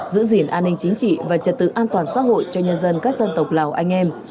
giữ gìn an ninh chính trị và trật tự an toàn xã hội cho nhân dân các dân tộc lào anh em